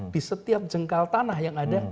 di setiap jengkal tanah yang ada